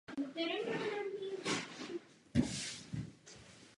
Tehdy byly okolnosti jeho kandidatury a zvolení komplikované.